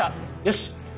よし！